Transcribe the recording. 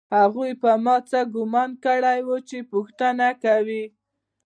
هغوی په ما څه ګومان کړی و چې پوښتنه کوي